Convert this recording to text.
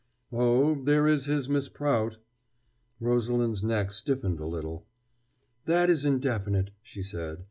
"Oh, there is his Miss Prout." Rosalind's neck stiffened a little. "That is indefinite," she said.